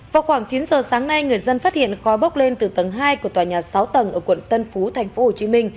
vào khoảng chín giờ sáng nay người dân phát hiện khói bốc lên từ tầng hai của tòa nhà sáu tầng ở quận tân phú tp hcm